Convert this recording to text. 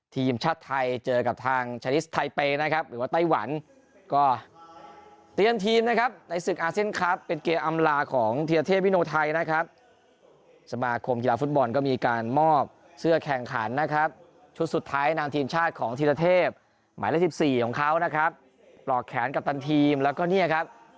ทีมชาติไทยเจอกับทางชาลิสไทเปย์นะครับหรือว่าไต้หวันก็เตรียมทีมนะครับในศึกอาเซียนครับเป็นเกมอำลาของเทียเทพวิโนไทยนะครับสมาคมกีฬาฟุตบอลก็มีการมอบเสื้อแข่งขันนะครับชุดสุดท้ายนามทีมชาติของธีรเทพหมายเลข๑๔ของเขานะครับปลอกแขนกัปตันทีมแล้วก็เนี่ยครับ